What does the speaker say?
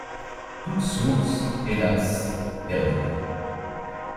Toutes sources, hélas, perdues.